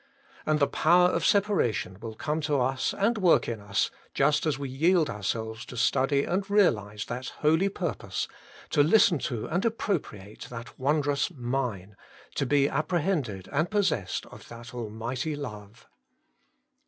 And the power of separation will come to us, and work in us, just as we yield ourselves to study and realize that holy purpose, to listen to and appropriate that HOLINESS AND SEPARATION. 95 wondrous Mine, to be apprehended and possessed of that Almighty Love.